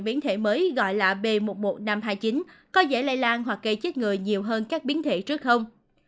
biến thể mới gọi là b một mươi một nghìn năm trăm hai mươi chín có dễ lây lan hoặc gây chết người nhiều hơn các biến thể trước không